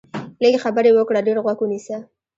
لږې خبرې وکړه، ډېر غوږ ونیسه